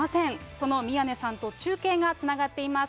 その宮根さんと中継がつながっています。